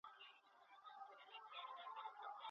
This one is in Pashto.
ژورنالیزم پوهنځۍ په ناقانونه توګه نه جوړیږي.